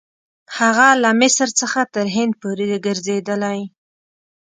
هغه له مصر څخه تر هند پورې ګرځېدلی.